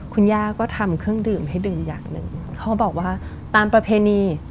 คุณย่าก็ทำเครื่องดื่มให้ดื่มอย่างหนึ่งเขาบอกว่าตามประเพณี